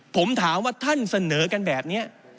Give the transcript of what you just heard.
ผมถามว่าท่านเสนอกันแบบนี้